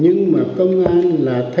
nhưng mà công an là thanh kiến và lái chắn